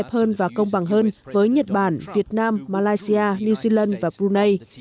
tốt hơn và công bằng hơn với nhật bản việt nam malaysia new zealand và brunei